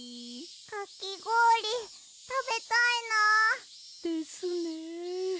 かきごおりたべたいな。ですね。